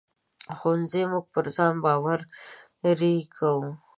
ښوونځی موږ پر ځان باوري کوي